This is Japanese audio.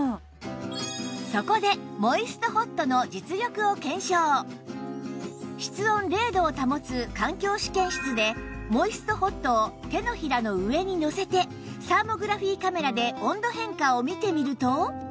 そこで室温０度を保つ環境試験室でモイストホットを手のひらの上にのせてサーモグラフィーカメラで温度変化を見てみると